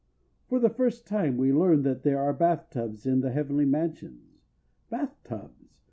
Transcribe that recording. For the first time we learn that there are bath tubs in the Heavenly Mansions—Bathtubs!